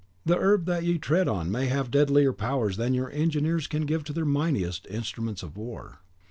The herb that ye tread on may have deadlier powers than your engineers can give to their mightiest instruments of war.